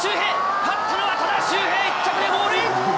勝ったのは多田修平、１着、ゴールイン。